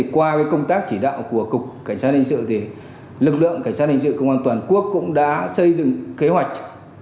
qua công tác chỉ đạo của cục cảnh sát hình sự lực lượng cảnh sát hình sự công an toàn quốc cũng đã xây dựng kế hoạch